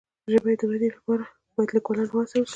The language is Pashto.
د ژبې د ودي لپاره باید لیکوالان وهڅول سي.